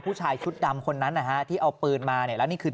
ผู้ชายชุดดำคนนั้นนะฮะที่เอาปืนมาเนี่ยแล้วนี่คือ